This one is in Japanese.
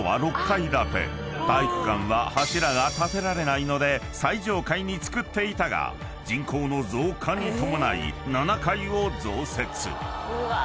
［体育館は柱が立てられないので最上階に造っていたが人口の増加に伴い７階を増設］